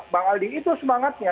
pak aldi itu semangatnya